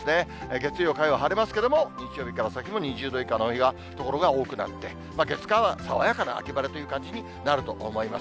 月曜、火曜は晴れますけれども、日曜日から先も２０度以下の所が多くなって、月、火は爽やかな秋晴れという感じになると思います。